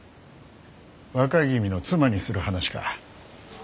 若君の妻にする話か。